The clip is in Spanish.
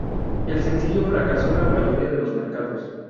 El sencillo fracasó en la mayoría de los mercados.